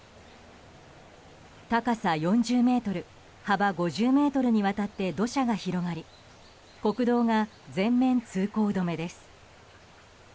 高さ４０ｍ幅５０ｍにわたって土砂が広がり国道が全面通行止めです。